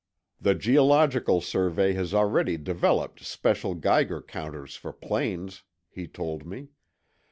"The Geological Survey has already developed special Geiger counters for planes," he told me.